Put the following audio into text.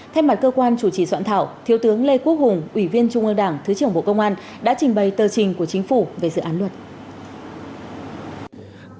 thay mặt cơ quan chủ trì soạn thảo thiếu tướng lê quốc hùng ủy viên trung ương đảng thứ trưởng bộ công an đã trình bày tờ trình của chính phủ về dự án luật